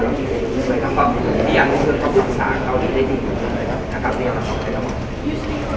เรียนภาษาเขาจริงเขาผู้ค่านี้และเขามีความรับของเหมือนเขา